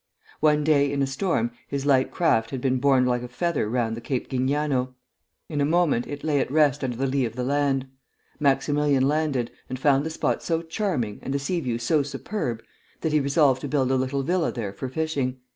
One day in a storm his light craft had been borne like a feather round Cape Gignano. In a moment it lay at rest under the lee of the land. Maximilian landed, and found the spot so charming and the sea view so superb that he resolved to build a little villa there for fishing.